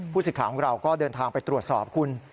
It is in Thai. สิทธิ์ของเราก็เดินทางไปตรวจสอบคุณ